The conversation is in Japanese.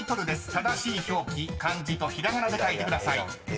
正しい表記漢字とひらがなで書いてください］